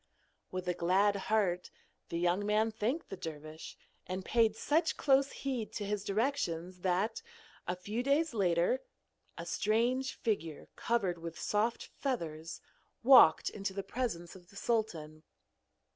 With a glad heart the young man thanked the dervish, and paid such close heed to his directions that, a few days later, a strange figure covered with soft feathers walked into the presence of the sultan.